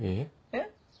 えっ？